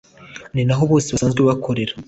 ninaho bose basanzwe bakorera.